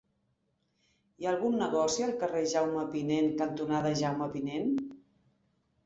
Hi ha algun negoci al carrer Jaume Pinent cantonada Jaume Pinent?